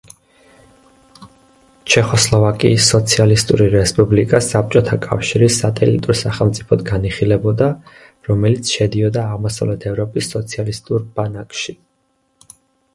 ჩეხოსლოვაკიის სოციალისტური რესპუბლიკა საბჭოთა კავშირის სატელიტურ სახელმწიფოდ განიხილებოდა, რომელიც შედიოდა აღმოსავლეთ ევროპის სოციალისტური ბანაკში.